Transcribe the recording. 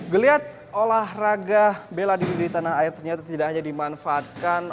geliat olahraga bela diri di tanah air ternyata tidak hanya dimanfaatkan